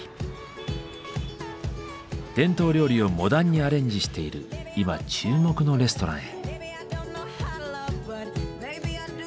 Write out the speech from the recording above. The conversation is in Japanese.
伝統料理をモダンにアレンジしている今注目のレストランへ。